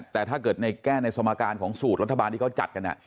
แต่ถ้าเกิดในแก้ในสมการของสูตรรัฐบาลที่เขาจัดกัน